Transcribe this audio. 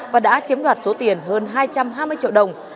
và đã chiếm đoạt số tiền hơn hai trăm hai mươi triệu đồng